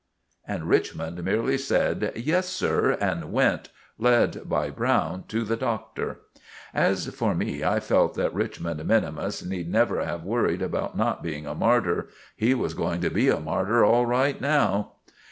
And Richmond merely said, "Yes, sir," and went, led by Browne, to the Doctor. As for me, I felt that Richmond minimus need never have worried about not being a martyr. He was going to be a martyr all right now.